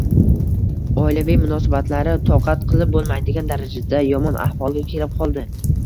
Oilaviy munosabatlari toqat qilib bo`lmaydigan darajada yomon ahvolga kelib qoldi